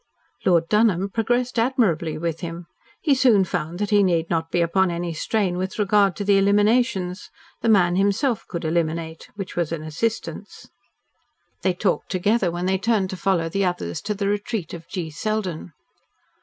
Lord Dunholm progressed admirably with him. He soon found that he need not be upon any strain with regard to the eliminations. The man himself could eliminate, which was an assistance. They talked together when they turned to follow the others to the retreat of G. Selden.